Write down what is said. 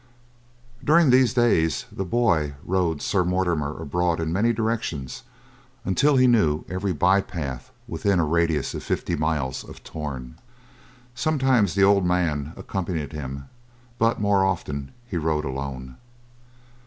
During these days, the boy rode Sir Mortimer abroad in many directions until he knew every bypath within a radius of fifty miles of Torn. Sometimes the old man accompanied him, but more often he rode alone.